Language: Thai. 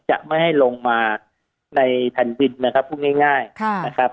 จะไม่ให้ลงมาในแผ่นดินนะครับพูดง่ายนะครับ